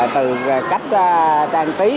từ cách trang trí